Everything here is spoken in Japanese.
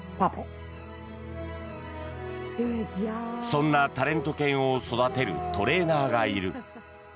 そんなタレント犬を育てるトレーナーがいる。